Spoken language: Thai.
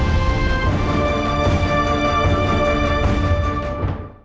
โปรดติดตามตอนต่อไป